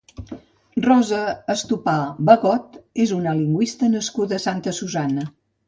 Rosa Estopà Bagot és una lingüista nascuda a Santa Susanna.